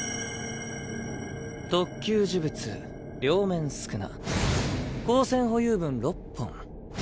特級呪物両面宿儺高専保有分６本。